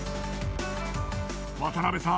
渡部さん